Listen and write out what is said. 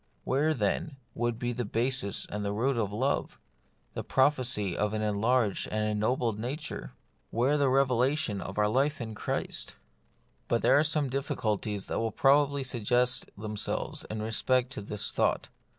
Where, then, would be the basis and the root of love, the prophecy of an enlarged and an ennobled nature ? where the revelation of our life in Christ ? The Mystery of Pain. 79 But there are some difficulties that will probably suggest themselves in respect to this thought.